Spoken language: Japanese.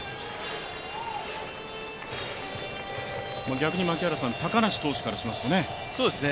逆に槙原さん、高梨投手からしますとね。